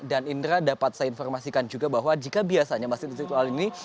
dan indra dapat saya informasikan juga bahwa jika biasanya masjid istiqlal ini